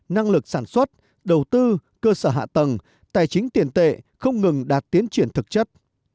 năng lực sản xuất đầu tư cơ sở hạ tầng tài chính tiền tệ không ngừng đạt tiến triển thực chất